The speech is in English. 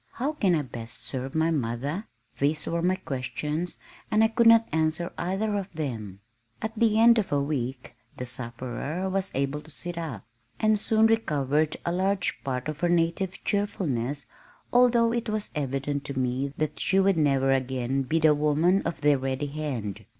How can I best serve my mother?" These were my questions and I could not answer either of them. At the end of a week the sufferer was able to sit up, and soon recovered a large part of her native cheerfulness although it was evident to me that she would never again be the woman of the ready hand.